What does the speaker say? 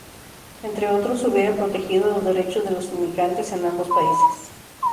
Entre otros, hubiera protegido los derechos de los inmigrantes en ambos países.